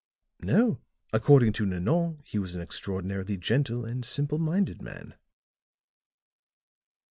"No. According to Nanon he was an extraordinarily gentle and simple minded man."